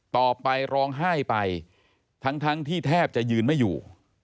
ร้องไห้ไปทั้งที่แทบจะยืนไม่อยู่